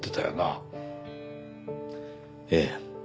ええ。